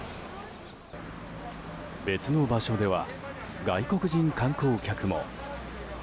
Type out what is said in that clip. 別の場所では外国人観光客も。